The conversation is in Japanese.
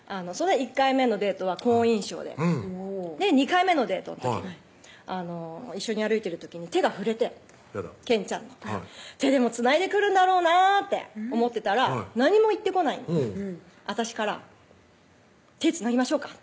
１回目のデートは好印象で２回目のデートの時に一緒に歩いてる時に手が触れて憲ちゃんの手でもつないでくるんだろうなと思ってたら何も言ってこないんで私から「手つなぎましょうか？」